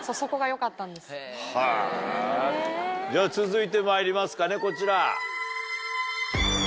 では続いてまいりますかねこちら。